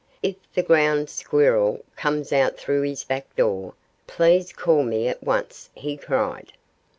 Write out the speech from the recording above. "If the Ground Squirrel comes out through his back door, please call me at once!" he cried.